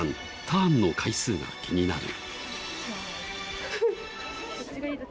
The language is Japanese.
ターンの回数が気になる。